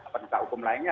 penyusah hukum lainnya